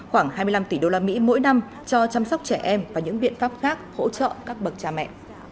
khoảng hai mươi năm tỷ usd mỗi năm cho chăm sóc trẻ em và những biện pháp khác hỗ trợ các bậc cha mẹ